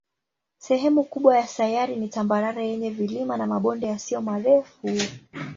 Sehemu kubwa ya sayari ni tambarare yenye vilima na mabonde yasiyo marefu.